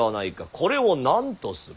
これを何とする。